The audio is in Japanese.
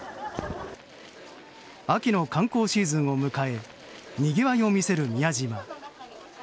秋の観光シーズンを迎えにぎわいを見せる宮島。